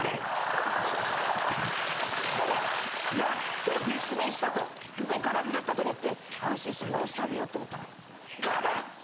やっと絶命したと動かなくなったと思って安心したよし食べようと思ったらガブッ！！